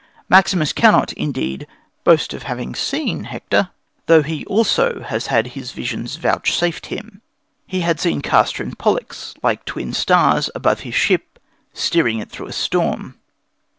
Maximus cannot, indeed, boast of having seen Hector, though he also has had his visions vouchsafed him. He had seen Castor and Pollux, like twin stars, above his ship, steering it through a storm.